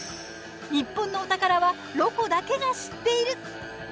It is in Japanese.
日本のお宝はロコだけが知っている。